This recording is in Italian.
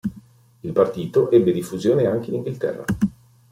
Il partito ebbe diffusione anche in Inghilterra.